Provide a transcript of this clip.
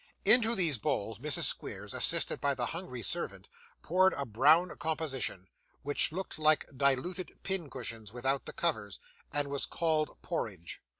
Into these bowls, Mrs. Squeers, assisted by the hungry servant, poured a brown composition, which looked like diluted pincushions without the covers, and was called porridge.